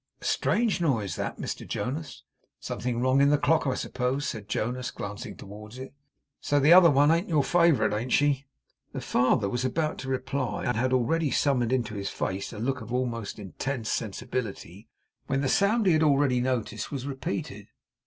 A strange noise that, Mr Jonas!' 'Something wrong in the clock, I suppose,' said Jonas, glancing towards it. 'So the other one ain't your favourite, ain't she?' The fond father was about to reply, and had already summoned into his face a look of most intense sensibility, when the sound he had already noticed was repeated.